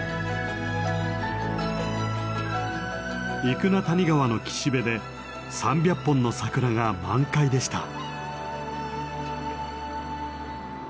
生名谷川の岸辺で３００本の桜が満開でした。